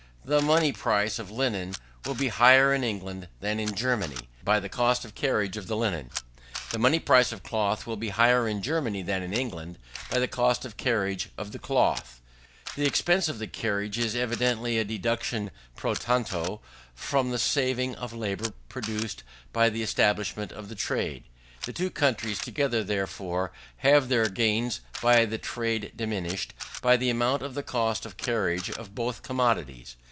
The money price of linen will be higher in England than in Germany, by the cost of carriage of the linen. The money price of cloth will be higher in Germany than in England, by the cost of carriage of the cloth. The expense of the carriage is evidently a deduction pro tanto from the saving of labour produced by the establishment of the trade. The two countries together, therefore, have their gains by the trade diminished, by the amount of the cost of carriage of both commodities.